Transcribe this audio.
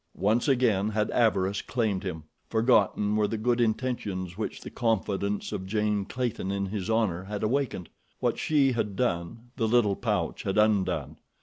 Once again had avarice claimed him. Forgotten were the good intentions which the confidence of Jane Clayton in his honor had awakened. What she had done, the little pouch had undone.